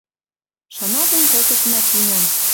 Шаналтен колтышым ӓтинӓм.